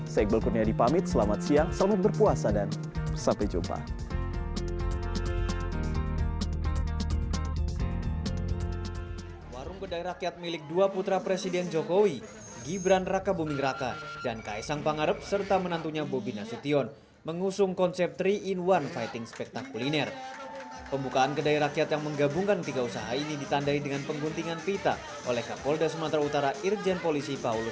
saya iqbal kurnia dipamit selamat siang selamat berpuasa dan sampai jumpa